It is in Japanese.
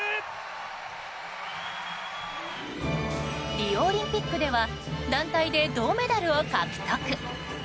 リオオリンピックでは団体で銅メダルを獲得。